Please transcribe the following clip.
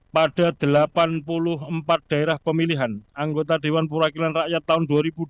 pada delapan puluh empat daerah pemilihan anggota dewan perwakilan rakyat tahun dua ribu dua puluh